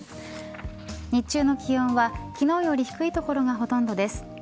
日中の気温は昨日より低い所がほとんどです。